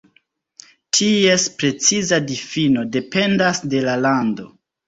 Ties preciza difino dependas de la lando.